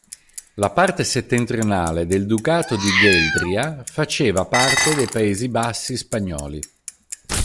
La parte settentrionale del Ducato di Gheldria faceva parte dei Paesi Bassi spagnoli.